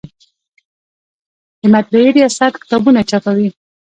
د مطبعې ریاست کتابونه چاپوي؟